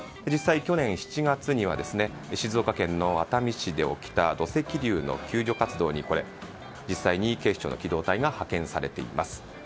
去年７月には静岡県の熱海市で起きた土石流の救助活動に実際に警視庁の機動隊が派遣されています。